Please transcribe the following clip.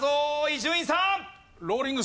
伊集院さん。